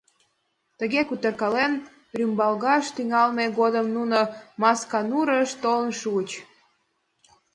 Тыге кутыркален, рӱмбалгаш тӱҥалме годым нуно Масканурыш толын шуыч.